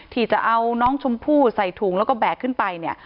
ที่จะเอาน้องชมพู่ใส่ถุงแล้วก็แบกขึ้นไปเนี่ย